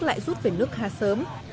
lại rút về nước ha sớm